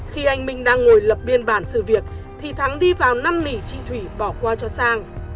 khi anh minh đang ngồi lập biên bản sự việc thì thắng đi vào năn nỉ chị thủy bỏ qua cho sang